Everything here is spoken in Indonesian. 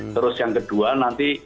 terus yang kedua nanti